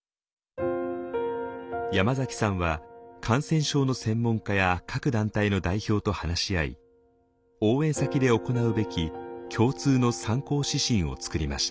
山崎さんは感染症の専門家や各団体の代表と話し合い応援先で行うべき共通の「参考指針」を作りました。